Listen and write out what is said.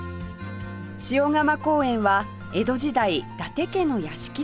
塩釜公園は江戸時代伊達家の屋敷だった場所